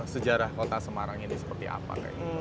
sejarah kota semarang ini seperti apa kayak gitu